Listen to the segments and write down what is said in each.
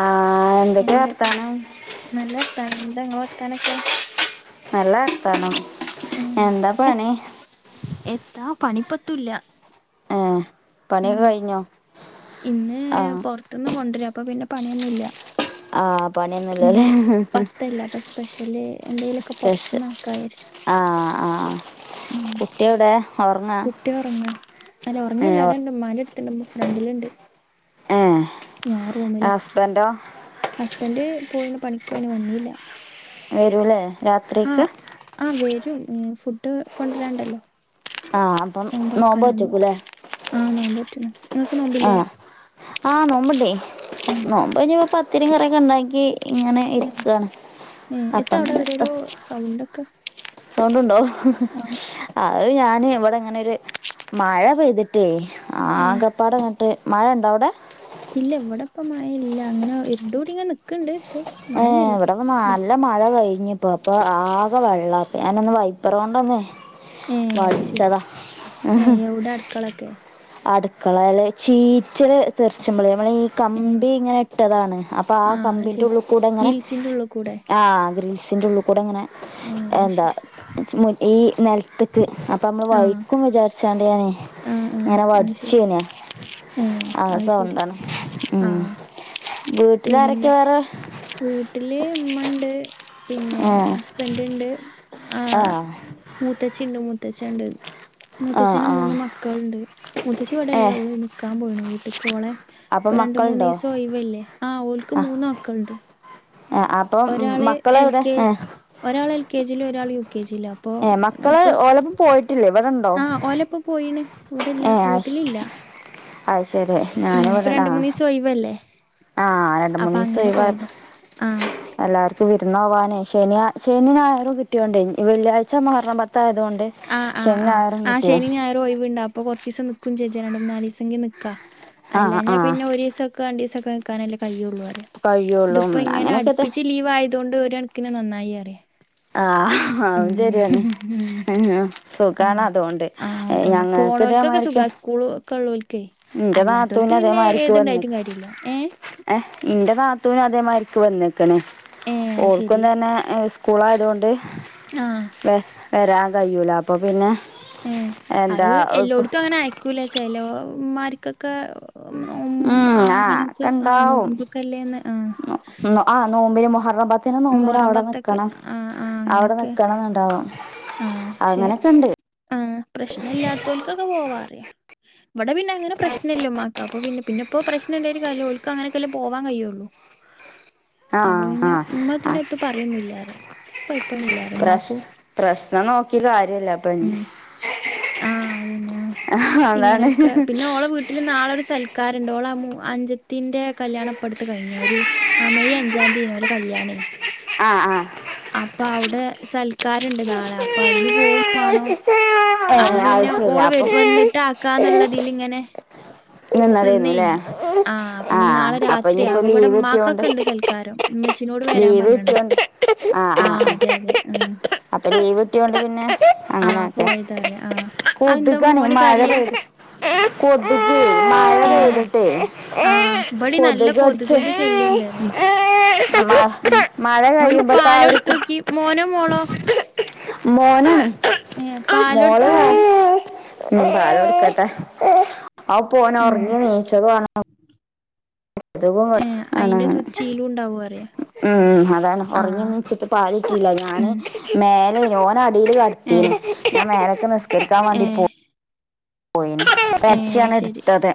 ആഹ് എന്തൊക്കെയാ എന്തൊക്കെ വർത്താനം നല്ല വർത്താന എന്താങ്ങൾ വർത്താനൊക്കെ നല്ല വർത്താനം ഉം എന്താ എ പണി എത്താ പണിപ്പത്തൂല്ല. ഏഹ് പണിയൊക്കെ ഉം കഴിഞ്ഞോ ഇന്ന് ആഹ് പൊർത്തുന്ന് കൊണ്ടരാ അപ്പൊ പിന്നെ പണിയൊന്നുംല്ല. ആഹ് പണി ഒ ഇന്ന് പത്തല്ല അപ്പൊ സ്പെഷ്യല് എന്തെയ്ലൊക്ക സ്പെഷ്യൽ പൊർത്ത്ന്നാക്കരിച്ച്, ആഹ് ആഹ് കുട്ടിയെവിടെ ഒറങ്ങാ കുട്ടി ഒറങ്ങ അല്ല ഏഹ് ഒറങ്ങല്ല ഇട ഒർ ഇണ്ട് മ്മാന്റെടുത്തിണ്ട് ഫ്രണ്ടിലുണ്ട് ഏഹ് ഹസ്ബൻ്റോ ഹസ്ബന്ൻ്റ് പോയിന് പണിക്കോയിനു വന്നീല്ല. വെരൂലേ രാത്രിക്ക് ആഹ് ആഹ് വെരും ഫുഡ് കൊണ്ടോരാണ്ടല്ലോ. ആഹ് അപ്പം നോമ്പോറ്റക്കും നോമ്പോക്ക ലേ ആഹ് നോമ്പോറ്റ്ണ് നിങ്ങക്ക് നോമ്പില്ലേ ആഹ് ആഹ് നോമ്പ്ണ്ടെ ഉം നോമ്പയ്ഞ്ഞ് ഇപ്പോ പത്തിരി കറിക്കെ ഉണ്ടാക്കി ഇങ്ങനെ ഏഹ് ഇരിക്കാണ് ഏഹ് എത്താ അവടെ അപ്പങ്ങനെ ഇത്ത, ഓരോരോ സൗണ്ടൊക്കെ, സൗണ്ടുണ്ടോ? ആഹ് ആഹ്, അത് ഞാന് ഇവിടെ ഇങ്ങനെ ഒരു മഴ പെയ്തിട്ടേ ഏ ആകപ്പാടങ്ങ്, ട്ട് മഴണ്ടോ അവിടെ? ഇല്ല വിടെ ഇപ്പ മഴ ഇല്ല ങ്ങനെ ഇരുണ്ടൂടി ഇങ്ങെനെ നിക്ക്ണ്ട് പക്ഷെ മയയൊന്നില്ല. പ്പൊ നല്ല മഴ കഴിഞ്ഞിപ്പോ അപ്പൊ ആകെ വെള്ളപ്പ ഞാനൊന്ന് വൈപ്പറോണ്ടൊന്നേ, ഏ വലിച്ചത. ക്കളൊക്കെ, അടുക്കളേൽ ചീച്ചൽ തെർച്ചുംപള് മണീ ഏ കമ്പി ഇങ്ങനെ ഇട്ടതാണ് അപ്പൊ ആ അത് കമ്പിന്റെ ശരി ഉള്ളിൽ കൂടെ ഇങ്ങനെ, ഗിൽസിന്റെ ഉള്ളിൽ കൂടെ ആഹ്, ഗ്രീൽസിന്റെറ ഉള്ളിൽ കൂടെ ങ്ങനെ ഏ അത് എന്താ, ശരി ഈ നെൽത്ത്ക്ക് അപ്പൊ മ്മള് ആ വഴിക്കും വിചാരിച്ചാണ്ടാനേ, ആ ആ ഇങ്ങനെ അത് ശരി വടിച്ചേയ്നാ, ഏ ആ അത് ശരി സൗണ്ടാണ്, ഉം ആ വീട്ടിലാരൊക്കെ പിന്നെ വേറെ, വീട്ടില് ഉമ്മ ഉണ്ട് പിന്നെ ഏഹ് ഹസ്ബൻറ് ഉണ്ട്, ആ് ആഹ് മൂത്തച്ചിണ്ട് മൂത്തച്ഛണ്ട്. ആഹ് മൂത്തഛന് ആഹ് മൂന്ന് മക്കൾണ്ട് മുത്തച്ചി ഇവിടെല്ല ഏഹ് ഓള് ന്ക്കാൻ പോയിന് വീട്ടക്ക് ഓളെ, അപ്പം പ്പ രണ്ട്, മക്കളുണ്ടോ മൂന്നീസം ഒയിവല്ലേ ആഹ് ഓൽക്ക് മൂന്ന്മക്കൾണ്ട്. ആഹ് അപ്പം മക്കളെവിടെ കെ ഏഹ്, ഒരാള് എൽ കെ ജിൽ ഒരാള് യു കെ ജിയില. ഏഹ് മക്കള് ഓലപ്പം പോയിട്ടില്ലേ ഇവിടെണ്ടോ? ആ ഓലപ്പോ പോയിണ് ഇവിടെല്ല ഏഹ് വീട്ടിലില്ല, അത് ശരി ഉം ഇപ്പ ഞാനിവിടെ രണ്ട് ആഹ് മൂന്നിസ, ഒയ് വല്ലേ, ആഹ് രണ്ട് മൂന്ന് ദിവസം ഒഴിവായപ്പൊ, ആ എല്ലാർക്കും വിരുന്ന് പോകാനേ ശനി ശെനി ഞായറും കിട്ടിയോണ്ട് വെള്ളിയാഴ്ച മുഹറം പത്തായതുകൊണ്ട്, ആഹ് ആഹ് ശനി ആഹ് ഞായറും ആഹ് കിട്ടിയേ ശെനി ഞായറും ഒഴിവുണ്ട് അപ്പൊ കൊ ച്ചീസം നിക്കുംചേച്ചാ രണ്ട്, മൂനാലീസം നിക്കാ ആഹ് അല്ലാഞാ ആഹ് പിന്നെ ഒറീസൊ രണ്ടീസൊക്കെ നിക്കാനല്ലേ കയുള്ളൂറിയ കഴിയുള്ളൂ ഇത്പ്പോ ഇങ്ങന അങ്ങനെയൊക്കെത്തെ അടുപ്പിച്ച് ലീവായ അതോണ്ട് ഒരണക്കിന് നന്നായി അറിയാ ആഹ് ആവും ശരിയാണ് ഉം ഉം ഉം സുഖാണതോണ്ട് ആഹ് ഏയ് അതന്നെ ഞങ്ങൾക്ക് പോണോൽക്കൊക്കെ ഇതേമായിരിക്ക സുഖാ സ്കൂള് ഒക്കെ ള്ളോൽക്കേയ് അല്ലാത്തോൽക്ക് പിന്നെ അതേമാരിക്ക് വന്ന് ഏതുണ്ടായിട്ടും കാര്യില്ല ഏഹ് ഏഹ് ന്റെ താത്തനു അതേമാരിക്ക് വന്നേക്കണ് ഏഹ് അത് ഓർക്കും ശരി തന്നെ ഇസ് സ്കൂളായതോണ്ട് ആഹ് വെ വെരാൻ കയ്യൂല്ല അപ്പോ പിന്നെ ഏഹ് എന്താ അത് ഇപ്പൊ എല്ലോടത്തു അങ്ങനെ അയക്കൂല ചെലോമ്മാര്ക്കൊക്കെ ഉം നും ഉം ആഹ് അങ്ങനൊക്കെ ഒക്കെ ആഹ് നോമ്പൊക്കല്ലേന്ന് ആഹ് ഉം ആ നോമ്പിന് മുഹറം പ ത്തിന് നോമ്പിന് മുഹറം അവടെ പത്തൊക്കെ നിക്കണം ആഹ് ആഹ് അവടെ അങ്ങനൊക്കെ നിക്കണം ണ്ടാവും ആഹ് പക്ഷെ ആഹ് പ്രശ്നല്ലാത്തോൽക്കൊക്കെ പോവാറിയാ വടെ പിന്നങ്ങനെ പ്രശ്നല്ല മ്മാക്ക് അപ്പൊ പിന്നെ പിന്നെപ്പോ പ്രശ്നണ്ടായിട്ടും കാര്യല്ല ഓൽക്കങ്ങാനൊക്ക പോവാ കയ്യുള്ളൂ. അപോ ആഹ് പിന്നെ ആഹ് ആ ഉമ്മത്തിന്നത്ത് പറയൊന്നുംല്ലാറ കൊയപ്പൊന്നുംല്ല പ്രശ് ഉമ്മാക്കും പ്രശ്നം നോക്കി കാര്യല്ല പെൺ ഉം ആഹ് അതന്നെ അതാണ് ഇങ്ങനെയൊക്കെ പിന്നെ ഓള വീ വീട്ടില് നാളൊരു സൽക്കാരണ്ട് ഓള അ മൂ അനുജത്തിന്റെ കല്യാണപ്പടുത്ത കയിഞ്ഞ ഒരു ആ മെയ് അഞ്ചാം തീയിനു ഓലെ കല്യാണേയ് ആഹ് ആഹ് അപ്പൊ അവടെ സൽക്കാരണ്ട് നാളെ അപ്പൊ അയിന് പോകും വാണം ഏ അപ്പൊ അത് പിന്നെ ശരി ഓള് അപ്പൊ വെരു വന്നിട്ടാ ആക്കാന്ന്ള്ളതില്ങ്ങനെ നിന്നതേന്നുല്ലേ അപ്പൊ ഇനി ആഹ് നാളെ അപ്പൊ ന്നി രാത്രിയാ പ്പൊ ഇവിടെ ലീവ് കിട്ടിയോണ്ട് ഉമ്മാക്കൊക്കെണ്ട് സൽക്കാരം ഉമ്മച്ചിനോട് വരാൻ ലീവ് പറഞ്ഞാണേ കിട്ടിയൊണ്ട് ആഹ് ആഹ് ആഹ് അതെ അതെ ഉം അപ്പൊ ലീവ് കിട്ടിയോണ്ട് പിന്നെ ആഹ് അങ്ങനെയൊക്കെ പോയതാറ ആഹ് അത് എന്താ മോന് കരിയാ കൊതുകെയ് മഴ ഏഹ് പെയ്തിട്ടെയ് ആഹ് ഇബടിം നല്ല കൊതുകടിച്ച കൊതുകിന്റെ ശല്യണ്ട്റിയാ മഴ ഉം മഴ ഓന് കഴിയുമ്പക്കാ ഒരു കു പാലൊട്ത്തോക്കി മോനോ മോളോ മോന് ഏഹ് മോളാ പാലൊട്ത്തോക്കി ഉം പാലൊടുക്കട്ടെ ആത് ഉം പ്പോനൊറങ്ങീ നീച്ചതുവാണ് തുകു ഏഹ് ആണ് അയിന്റെ തുച്ചീലുണ്ടാവും അറിയാ ഉം ഉം അതാണ് ഒറങ്ങി ആഹ് നീച്ചിട്ട് പാല് കിട്ടീല ഞാന് ഉം മേലെയ്നു ഓനടീല് കടത്തീനു ഏഹ് ഞാ മേലക്ക് നിസ്കരിക്കാൻ വാണ്ടി പോ ഏഹ് പോയിനു ഏഹ് പ്പെലെച്ചിയാണ് അത് ശരി എടുത്തത്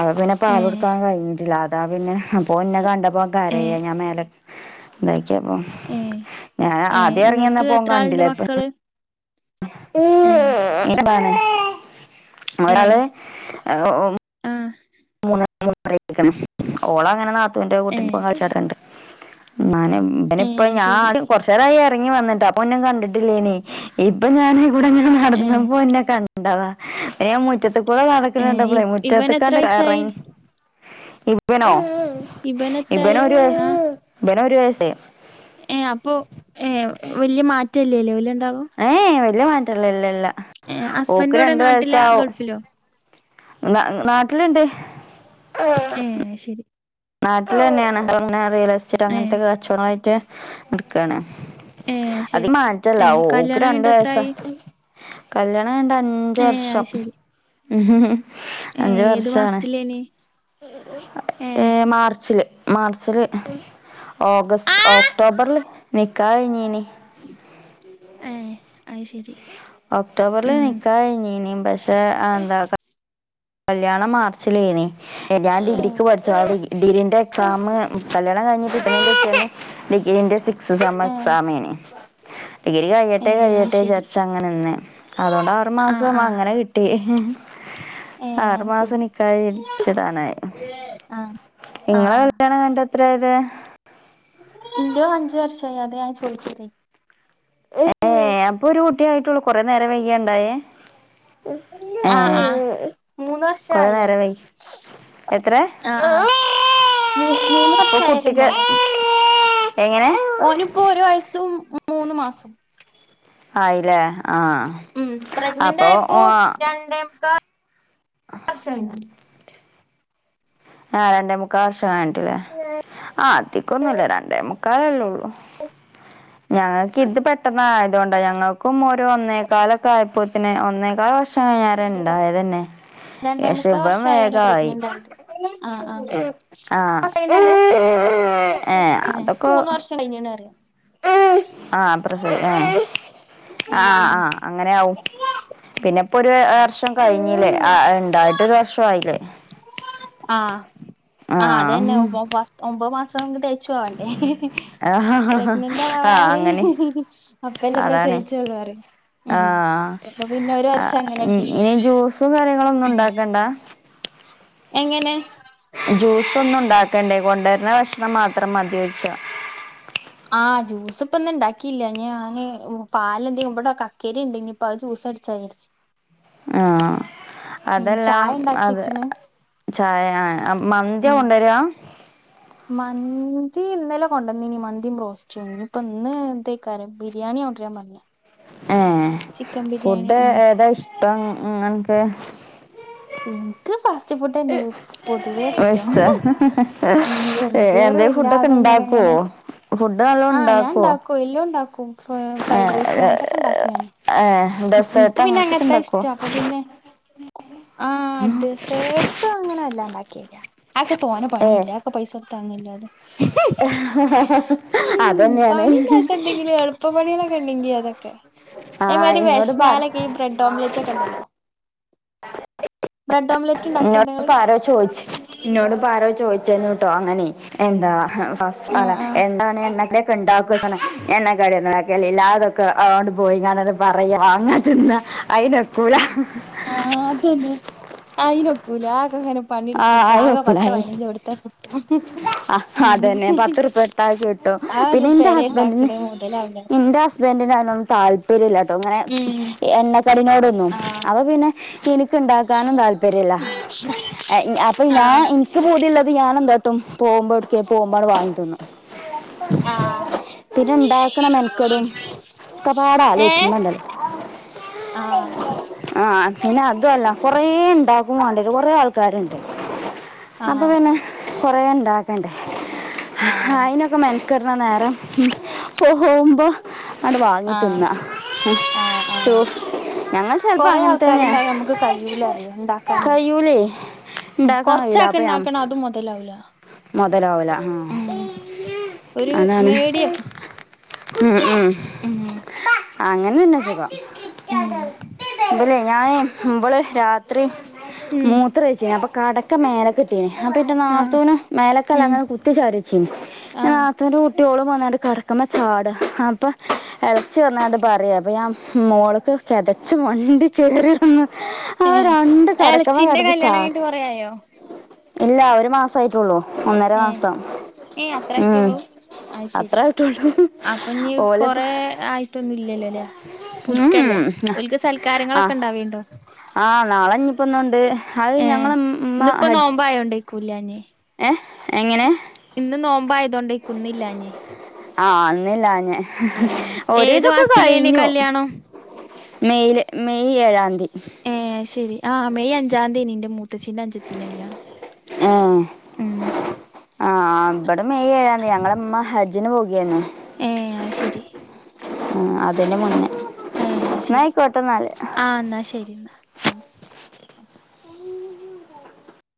അവ പിന്നെ പാല് ഏഹ് കൊടുക്കാൻ കഴിഞ്ഞിട്ടില്ല അ അതാ പിന്നെ അപ്പോൻ ന്നെ കണ്ടപ്പോ കരയാ ഏഹ് ഞാൻ മേല എന്താക്കിയപ്പോ ഏഹ് ഞാൻ ഏഹ് ആദ്യ എറങ്ങിവന്ന ഇങ്ങക്ക് പ്പോ എത്ര ആള്ണ്ട് കണ്ടില്ല ഇപ്പൊ മക്കള് ഏഹ് ഇന്റബാണ് ഒരാള് ഏഹ് ഓം ആഹ് മൂന്ന് മൂന്നരയിട്ട് കണ് ഓളങ്ങനെ നാത്തുന്റെറെ ഏഹ് കൂട്ടിന്റപ്പം കളിച്ചടക്ക്ണ്ട് നാന് ബനെ ഏഹ് പ്പോ അത് ഞാൻ ആ ശരി കൊറച്ച് കൊറച്ചേരായി എറങ്ങി വന്നിട്ട് അപ്പോൻ ന്നെ കണ്ടിട്ടില്ലേനി ഇപ്പൊ ഞാന് ഇവ്ടെങ്ങനെ ഏഹ് നടന്നപ്പോൻ ന്നെ കണ്ട ണ്ടതാ മുറ്റത്ത് കൂടെ ഏഹ് ഇ നടക്കണണ്ടപ്പളെ ഇവനെത്ര മുറ്റത്ത്ക്കാണ്ട് വയസ്സായി ഇവനോ ഇബനെ ഇബനെത്രായി ഒരു വയസ്സ് ഏഹ അപ്പൊ ഏഹ് വലിയ മാറ്റല്ലല്ലേ ഇവർ രണ്ട് ആളും ഏ വലിയ മാറ്റല്ല ഇല്ലല്ല ഏഹ് ഹസ്ബൻഡ് ഓക്ക് എവിടെ രണ്ടു വയസ നാട്ടിലാ ആവും ഗൾഫിലോ നാട്ടില്ണ്ട് ഏ ആഹ് ശരി നാട്ടിൽ തന്നെയാണ് അങ്ങനെ റിയൽ എസ്റ്റേറ്റ് ഏഹ് അങ്ങനത്തെൊക്കെ കച്ചവടായിട്ട് നടക്കാണ് ഏഹ് അത് അതിക ശരി മാറ്റല്ല ഏഹ് ഓൾക്ക് കല്യാണം രണ്ടു കഴിഞ്ഞിട്ട് വയസ്സ് എത്രായി കല്യാണം കഴിഞ്ഞ് ട്ട് അഞ്ച് ഏഹ് വർഷം അത് ശരി ഉ ഏഹ് ഏത് മാസത്തിലേനി ഏഹ് ഏ മാർച്ചില് മാർച്ചില് ഓഗസ്റ്റ് ആഹ് ഓക്ടോബറില് നിക്കാഹ് കയിഞ്ഞീനി ആഏ ഒക്ടോബർില് നിക്കാഹ് കഴിഞ്ഞിനി പക്ഷെ എന്താ കല്യാണം മാർച്ചിലേനി ഞാൻ ഡിഗ്രിക്ക് ഏഹ് പഠിച്ചു കാണ്ട് ഡിഗ്രീന്റെ എക്സാം കല്യാണം കഴിഞ്ഞിട്ട് [unintelligible] ഡിഗ്രി സിക്സ് ഏഹ് സമ്മ്എക്സാംമേനി ഡിഗ്രി കഴിയട്ടെ ഏഹ് അത് കഴിയട്ടെ ശരി വിചാരിച്ച് അങ്ങനെ ന്ന് അതൊണ്ട് ആറ് ആഹ് മാസം ആഹ് അങ്ങനെ കിട്ടി ഏഹ് ആറു അത് മാസം ശരി നിക്കാഹ് കഴിഞ്ഞ് ഇട്ചതാണ് ആഹ് ഇങ്ങളെ ആഹ് കല്യാണം കഴിഞ്ഞ് എ ത്ര വരെ ൻ്റതും അഞ്ച്‌ വർഷമായി അത ഞാൻ ചോയിച്ചതെ ഏ അപ്പൊ ഒരു കുട്ടിയായിട്ടുള്ളൂ കൊറെേ നേരം വൈകിയ്യണ്ടായേ ആഹ് ആഹ് മൂന്ന് കൊറേ വർഷയി നേരം വൈകി എത്ര ആഹ് ആഹ് മ മൂന്ന് ഇപ്പൊ വർഷം ആയിട്ടാണ് കുട്ടിക്ക് ഉണ്ടായത് എങ്ങനെ ഓനിപ്പോ ഒരു വയസ്സും മൂന്ന് മാസം ആയില്ലേ ആഹ്. ഉം പ്രഗ്നന്റ് അപ്പൊ ഓ ആയപ്പോൾ രണ്ടേ [unintelligible] ആഹ് രണ്ടേ മുക്കാൽ വർഷം കിട്ടില്ലേ ആഹ് അത്തിക്കൊന്നുല്ല രണ്ടേ മുക്കാലല്ല ഉള്ളു ഞങ്ങൾക്ക് ഇത് പെട്ടെന്ന ആയതുകൊണ്ടാ ഞങ്ങൾക്കും ഓരോന്നേക്കാലൊക്കെ ആയപ്പോത്തിന് ഒന്നേക്കാല [unintelligible] രണ്ടേ മുക്കാ വർഷയാല പ്രഗ്നന്റ് ആയിത് ആഹ് ആഹ് ആഹ് ഏ [unintelligible] മൂന്ന് വർഷം കഴിഞ്ണറിയാം ആഹ് അത്ര ആഹ് ആഹ് ആഹ് അങ്ങനെയവും പിന്നെപ്പോൊ ഒരു വർഷം കഴിഞ്ഞില്ലേ ഉണ്ടായിട്ടരു വർശു ആയില്ലേ ആഹ് ആഹ് അതന്നെ ഒമ്പത് മാസം തേച്ചു പോവണ്ടേ ആഹ് പ്രഗ്നന്റ് ആവായി അങ്ങനെ അപ്പ എല്ലാം അതാണ് പ്രസഹിച്ചള്ളൂ ഉം ആഹ് അപ്പൊ പിന്നെ ഒരു വർഷം അങ്ങനെണ്ട് തീരു ഫുഡ്‌ കാര്യങ്ങളൊന്നും ഉണ്ടാക്കണ്ട എങ്ങനെ ജ്യൂസ് ഒന്നും ഉണ്ടാക്കണ്ടേ കൊണ്ടുവരുന്ന ഭക്ഷണം മാത്രം മതി ആഹ് ജൂസ്പ്പൊന്നും ഉണ്ടാക്കില്ല പാല എന്തെങ്കും ഇവിടെ കക്കേരി ഉണ്ട ഇനിയിപ്പ അത് ജ്യൂസ് അടിച്ചായി ആഹ് ഉം അതെല്ലാ ചായ ഇണ്ടാക്കി അത് വെച്ച്ണ് ചായ മന്തിയ ഉം കൊണ്ടര മന്തി ഇന്നലെ കൊണ്ടന്നനി മന്തിയും പ്രോസ്റ്റ്യൂ ഇപ്പൊ ഇന്ന് [unintelligible] ബിരിയാണിയ കൊണ്ട്രൻ പറഞ്ഞ ഏഹ് ഫുഡ് ഉം ഏതാ ഇഷ്ടം നിങ്ങൾക്ക് ഇനിക്ക് ഫാസ്റ്റ് ഫുഡന്നെ പൊതുവേ ഇഷ്ടം ഇഷ്ട ഉം വെർഞ്ചോർ എന്തേ ഫുഡൊക്കെ ഉണ്ടാക്കുവോ വല്ലാതെങ്ങനെങ്ങനെ ഫുഡ് നല്ലോം ആഹ് ഉണ്ടാക്കുവോ ഞാൻണ്ടാക്കും എല്ലും ണ്ടാക്കും ഫ്രൈഡ് റൈസോ അങ്ങനത്തൊക്കെ ഉണ്ടാക്കും ഞാൻ ഏഹ് ഡെസേർട്ട് ഇൻക്ക് പിന്നെ അങ്ങനത്തൊക്കെ എങ്ങനത്തെ ഇണ്ടാക്കോ? ഇഷ്ടം അപ്പൊ പിന്നെ ആഹ് ഡെസേർട്ട് അങ്ങനെ എല്ലാം ഉണ്ടാക്കില്ല ആക്കെ തോന ഏഹ് പണിയില്ല ഒക്കെ പൈസ കൊടു താങ്ങില്ലാതെ ഉം അതന്നെയാണ് പണിയില്ലാത്ത എന്തെങ്കിലും എളുപ്പ പണിയല്ലാം കണ്ടെങ്കി അതക്കെ [inaudible] എനിക്ക് ഇന്നോട് പറ വെശനാലൊക്കെ ബ്രഡ് ഓംലെറ്റ് ഒക്കെ ഉണ്ടല്ലോ ബ്രഡ് ഓംലറ്റ് [unintelligible] ന്നോട് ഉണ്ടാക്കിണ്ടോ ഇങ്ങള് ഇപ്പൊ ആരോ ചോയ്ച്ചിന് അങ്ങനെ എന്താ ആഹ് ആണ് എന്താണ് എന്നൊക്കെ ഇണ്ടാക്ക എണ്ണ കടക്കല്ല ഇല്ലാതൊക്കെ അതുകൊണ്ട് പോയി ഞാനെ പറയാ വാങ്ങാ തിന്ന അയിനൊക്കൂല ആഹ് അതന്നെ അയിനൊക്കൂല ആകെങ്ങനെ ആഹ് പണിട്ത്താകെ പത്തോ അയിനൊക്കൂല പതിനഞ്ച് അടുത്ത കുട്ടും ഉം പത്ത്റുപ്പാ ഇട്ടാൽ കിട്ടും പിന്നെ ഇന്റെ ഹസ്ബന്റിന് ഇണ്ടാക്കണ മുതലാവൂല ഇന്റെ ഹസ്ബന്റീനണന്ന് താല്പ് പരില്ല ട്ടോ അങ്ങനെ ഉം എണ്ണ കടിനോടൊന്നും ആഹ് അപ്പ പിന്നെ എനിക്ക് ഉണ്ടാക്കാനും താല്പര്യല്ല ഉം അപ്പം ഞാൻ ഇനിക്ക് പൂതിള്ളത് ഞാൻ എന്താട്ടും പോകുമ്പോ എടുക്കെ പോകുമ്പോട്ങ്ങ് വാങ്ങി തിന്നും ആഹ് പിന്നെ ഇണ്ടാക്കണ മെനക്കടും ഒക്കെപാട ഏഹ് ആലോചിച്ചണ്ടല്ല ആഹ് ആഹ് പിന്നെ അതു അല്ല കൊറെ ഇണ്ടാക്കും വാണ്ടിയൊരും കൊറെ ആൾ ക്കാരുണ്ട് അപ്പൊ ആഹ് പിന്നെ കൊറേ ഇണ്ടാക്കണ്ടേ ആഹ് അയിനൊക്കെ മെനക്കെടുന്ന നേരം പോകുമ്പോ ആട് വാങ്ങി ആഹ് തിന്നാ [unintelligible] കൊറെ ആൾക്കാര്ണ്ടായ ഞമ്മക്ക് കയ്യൂല പറിയാ ഇണ്ടാക്കാനേ കയ്യൂലേ ഉം ഇണ്ടാക്കാൻ കഴിയൂല അപ്പൊ ഞാൻ കൊറച്ചാക്ക്ണ്ടാക്കണെ അത് മുതലാവൂല മുതലാവൂല ഉം ആ ഒരു അതാണ് മീഡിയം ഉം ഉം ഉം അങ്ങനെ [unintelligible] ഉം ഇബലെ ഞാനെ ഇവള് രാത്രി ഉം മൂത് [unintelligible] അപ്പ കടക്ക് ഒക്കെ മേലക്ക്ട്ടീന് അപ്പൊ ഇൻ്റെ ആഹ് നാത്തൂനും മേലക്കല്ല ഉം ഇങ്ങനെ കുത്തി ചാരി വെച്ചീനി [unintelligible] ആഹ് ത്തൂൻ്റെ കുട്ടി ഓളും വന്നാണ്ട് കെടക്കമ്മേ ചാടാ അപ്പൊ എളച്ചി വന്നാണ്ട് പറയാ അപ്പൊ ഞാ മോളക്ക് കെതച്ച് മണ്ടി [unintelligible] അപ്പ ഏഹ് രണ്ട് കെടക്കേമ് എളച്ചിന്റെ കെടന്ന് കല്യാണം ചാടാ കഴിഞ്ഞിട്ട് കൊറേ ആയോ ഇല്ല ഒരു മാസയിട്ടുള്ളൂ ഒന്നര ഏഹ് മാസം ഏഹ് അത്ര ഉം ആയിറ്റുള്ളൂ അത് അത്ര ശരി ആയിട്ടുള്ളൂ അപ്പൊ ഇനി ഓലപ്പ കൊറെ ആയി മറ്റൊന്നും ഇല്ലല്ലോ ല്ലേ പുതുക്കല്ലേ ഉം ഓൽക്ക് ആ സൽക്കാരങ്ങളൊക്കെ ഇണ്ടാവേണ്ടു ആഹ് നാളെ ഇന്നിപ്പൊന്ന്ണ്ട് അത് ഞങ്ങളെ ഉമ് ഉമ്മ ഹജ് ക്കൂല്ലാന്നി ഏഹ് എങ്ങനെ? ഇന്ന് നോമ്പായതോണ്ടേയിക്കും ഇന്നില്ലാഞ്ഞി ആഹ് ഇന്നില്ലാഞ്ഞേ ആഹ് ഒരു ഏത് വിധോക്കെ മാസത്തിലേനി കഴിഞ്ഞു കല്യാണം മെയില് മെയ് ഏഴാം തീ ഏഹ് അത് ശെരി ആഹ് മെയ് അഞ്ചാം തീയേനി ഇന്റെ മൂത്തച്ചിന്റെ അൻഞ്ചത്തിന്റെ കല്യാണം ഏഹ് ഉം ആഹ് ഇവിടെ മെയ് ഏഴാം തീ ഞങ്ങളമ്മ ഹജ് ഹജ്ജിന് പോകേനി ഏഹ് അയ് ശരി ഉം അതിന്റെ മുന്നേ ഏഹ് അത് ശെരി ഇന്നായിക്കോട്ടെന്നാല് ആഹ് ഇന്നാ ശരി ഇന്നാ